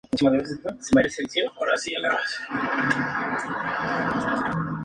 Cientos de niños habrían muerto durante estos entrenamientos.